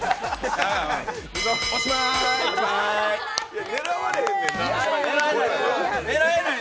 おしまーい。